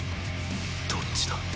どっちだ？